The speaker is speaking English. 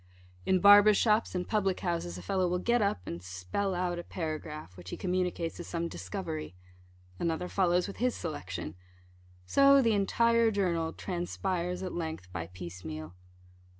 In barbers' shops and public houses a fellow will get up, and spell out a paragraph, which he communicates as some discovery. Another follows with his selection. So the entire journal transpires at length by piece meal.